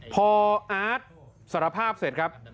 พออาร์ตสารภาพเสร็จครับ